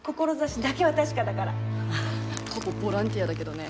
ここボランティアだけどね。